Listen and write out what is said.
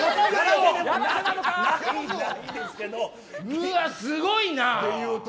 うわすごいな。